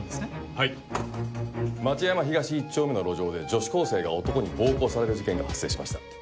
はい町山東１丁目の路上で女子高生が男に暴行される事件が発生しました。